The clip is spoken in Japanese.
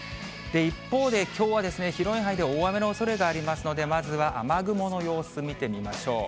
一方できょうは広い範囲で大雨のおそれがありますので、まずは雨雲の様子、見てみましょう。